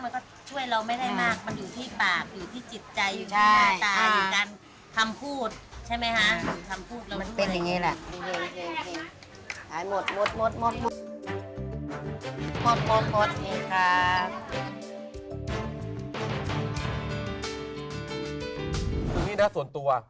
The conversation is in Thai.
คิกคิกคิกคิกคิก